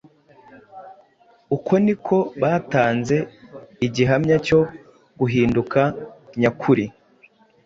Uko ni ko batanze igihamya cyo guhinduka nyakuri.